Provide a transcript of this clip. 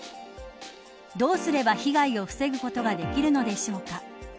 どうすれば被害を防ぐことができるのでしょうか。